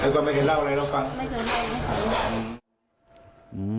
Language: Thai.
แต่ก่อนมาให้เล่าอะไรเราฟัง